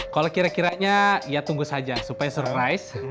kalau kira kiranya ya tunggu saja supaya surprise